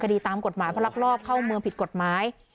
คดีตามกฎหมายเพราะลักลอบเข้าเมืองผิดกฎหมาย